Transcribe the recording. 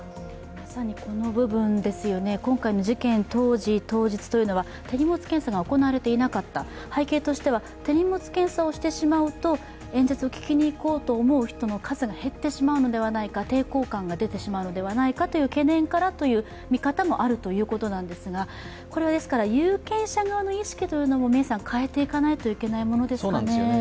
まさにこの部分ですよね、今回の事件当時、当日というのは手荷物検査が行われていなかった、背景としては手荷物検査をしてしまうと、演説を聴きに行こうと思う人が減ってしまうのではないか、抵抗感が出てしまうのではないかという懸念からという見方もあるということなんですが、これはですから、有権者側の意識というのも変えていかないといけないことですかね。